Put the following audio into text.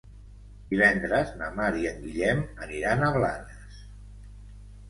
Divendres na Mar i en Guillem aniran a Blanes.